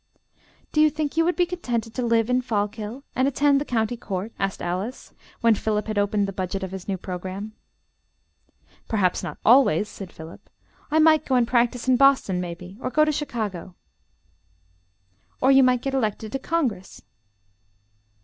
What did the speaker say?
"Do you think you would be contented to live in Fallkill, and attend the county Court?" asked Alice, when Philip had opened the budget of his new programme. "Perhaps not always," said Philip, "I might go and practice in Boston maybe, or go to Chicago." "Or you might get elected to Congress."